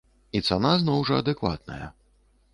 І цана зноў жа адэкватная.